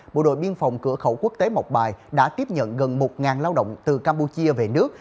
bộ đội biên phòng cửa khẩu quốc tế mộc bài đã tiếp nhận gần một lao động từ campuchia về nước